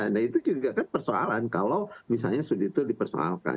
nah itu juga kan persoalan kalau misalnya sudah itu dipersoalkan